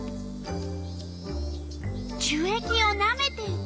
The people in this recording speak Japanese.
樹液をなめていた。